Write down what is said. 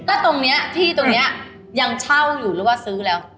แล้วตรงนี้ที่นี่ยังเช่าหรือซื้อแล้ว